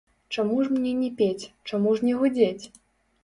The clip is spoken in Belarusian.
Чаму ж мне не пець, чаму ж не гудзець?